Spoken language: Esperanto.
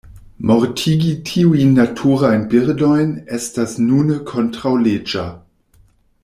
Mortigi tiujn naturajn birdojn estas nune kontraŭleĝa.